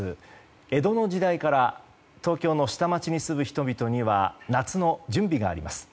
江戸の時代から東京の下町に住む人々には夏の準備があります。